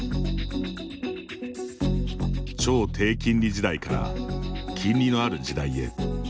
超低金利時代から金利のある時代へ。